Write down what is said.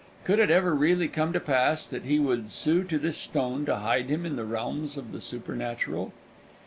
Could it ever really come to pass that he would sue to this stone to hide him in the realms of the supernatural?